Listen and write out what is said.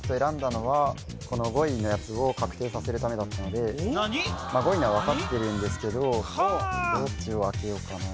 この５位のやつを確定させるためだったので５位のは分かってるんですけどどっちを開けようかな